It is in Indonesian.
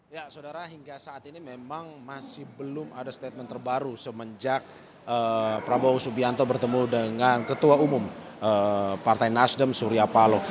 ya saudara hingga saat ini memang masih belum ada statement terbaru semenjak prabowo subianto bertemu dengan ketua umum partai nasdem surya paloh